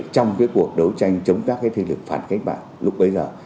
trong cái cuộc đấu tranh chống các cái thi lực phản cách bản lúc bấy giờ